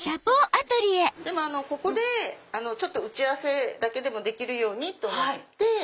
ここで打ち合わせだけでもできるようにと思って。